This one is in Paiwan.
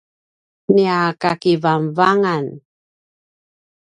nia kakivangavangan